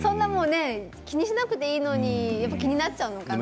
気にしなくていいのにやっぱり気になっちゃうのかな。